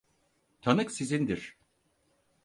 Tanık sizindir.